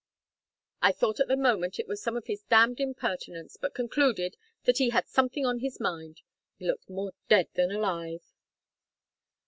I thought at the moment it was some of his damned impertinence, but concluded that he had something on his mind. He looked more dead than alive."